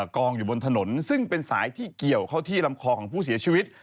กองอยู่บนถนนซึ่งเป็นสายที่เกี่ยวเข้าที่ลำคอของผู้เสียชีวิต